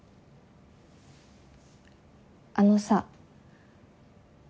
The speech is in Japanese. あのさ。